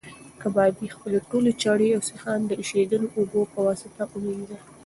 کبابي خپلې ټولې چړې او سیخان د ایشېدلو اوبو په واسطه ومینځل.